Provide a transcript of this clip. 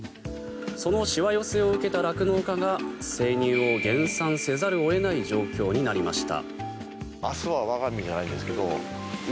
そのしわ寄せを受けた酪農家が生乳を減産せざるを得ない状況になりました。